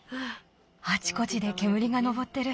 あちこちでけむりが上ってる。